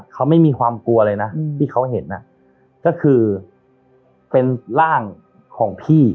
เขาไม่มีความกลัวเลยนะที่เขาเห็นก็คือเป็นร่างของพี่